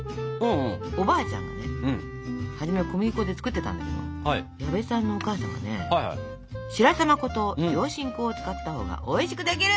おばあちゃんがね初めは小麦粉で作ってたんだけど矢部さんのお母さんがね「白玉粉と上新粉を使ったほうがおいしくできる！」。